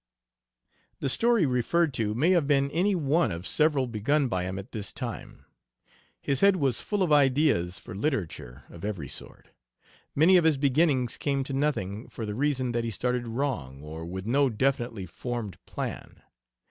The "story" referred to may have been any one of several begun by him at this time. His head was full of ideas for literature of every sort. Many of his beginnings came to nothing, for the reason that he started wrong, or with no definitely formed plan.